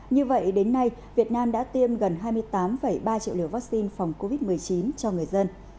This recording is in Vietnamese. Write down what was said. như vậy đến nay việt nam đã tiêm gần hai mươi tám ba triệu liều vaccine phòng covid một mươi chín cho người dân